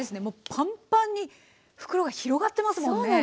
もうパンパンに袋が広がってますもんね。